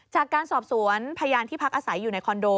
จากการสอบสวนพยานที่พักอาศัยอยู่ในคอนโด